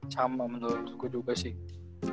sama menurut gue juga sih